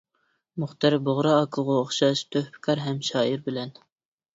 مۇختەر بۇغرا ئاكىغا ئوخشاش، تۆھپىكار ھەم شائىرى بىلەن.